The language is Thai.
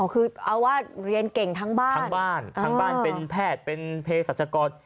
คือเอาว่าเรียนเก่งทั้งบ้านทั้งบ้านทั้งบ้านเป็นแพทย์เป็นเพศรัชกร